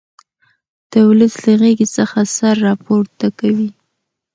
د ولس له غېږې څخه سر را پورته کوي.